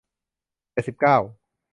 เจ็ดสิบเก้า